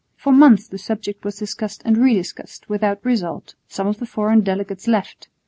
For months the subject was discussed and re discussed without result. Some of the foreign delegates left.